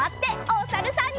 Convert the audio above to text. おさるさん。